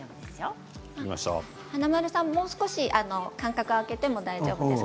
華丸さん、もう少し間隔を空けても大丈夫です。